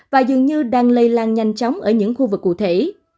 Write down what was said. và dường như đang lây lan nhanh chóng ở những khu vực cụ thể